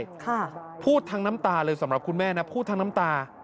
สำหรับคุณแม่นะพูดทั้งน้ำตาเลยพูดทั้งน้ำตา